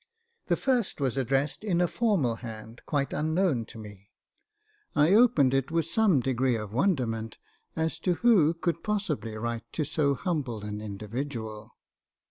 The first was addressed in a formal hand quite unknown to me. I opened it with some degree of wonderment, as to who could possibly write to so humble an individual.